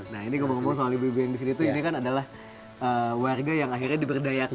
nah ini ngomong ngomong soal ibu ibu yang di sini tuh ini kan adalah warga yang akhirnya diberdayakan